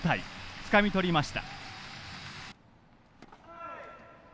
つかみ取りました。